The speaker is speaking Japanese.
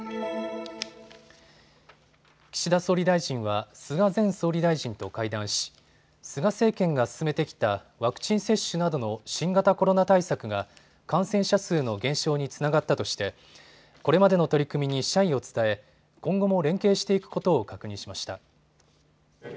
岸田総理大臣は菅前総理大臣と会談し菅政権が進めてきたワクチン接種などの新型コロナ対策が感染者数の減少につながったとしてこれまでの取り組みに謝意を伝え今後も連携していくことを確認しました。